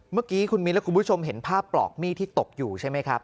เมื่อกี้คุณมิ้นและคุณผู้ชมเห็นภาพปลอกมีดที่ตกอยู่ใช่ไหมครับ